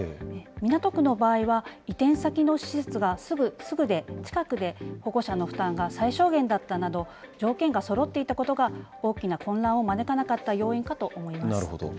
港区の場合は、移転先の施設がすぐで、近くで、保護者の負担が最小限だったなど、条件がそろっていたことが大きな混乱を招かなかった要因かと思います。